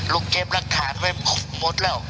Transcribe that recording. ลูกเก็บรักษาในมคมมดแล้ว